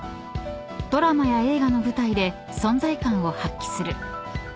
［ドラマや映画の舞台で存在感を発揮する］